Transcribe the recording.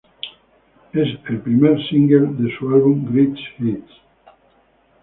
Es el primer single de su álbum Greatest Hits.